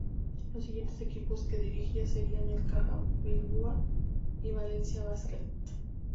Los siguiente equipos que dirigiría serían el Caja Bilbao y el Valencia Basket.